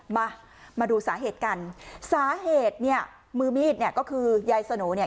มามาดูสาเหตุกันสาเหตุเนี่ยมือมีดเนี่ยก็คือยายสโนเนี่ย